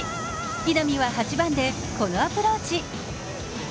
稲見は８番でこのアプローチ。